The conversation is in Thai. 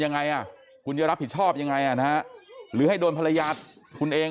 ยังไงอ่ะคุณจะรับผิดชอบยังไงอ่ะนะฮะหรือให้โดนภรรยาคุณเอง